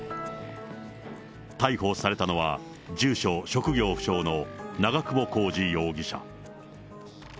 逮捕されたのは、住所職業不詳の長久保浩二容疑者。